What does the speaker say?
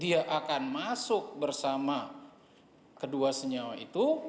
dia akan masuk bersama kedua senyawa itu